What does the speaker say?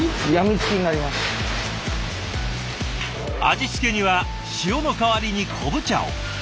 味付けには塩の代わりに昆布茶を。